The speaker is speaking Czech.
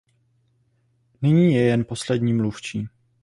Nyní je jen poslední mluvčí.